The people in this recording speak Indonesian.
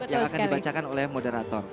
yang akan dibacakan oleh moderator